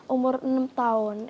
umur enam tahun